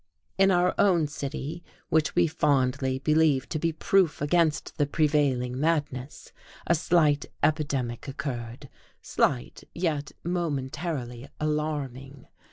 In our own city, which we fondly believed to be proof against the prevailing madness, a slight epidemic occurred; slight, yet momentarily alarming.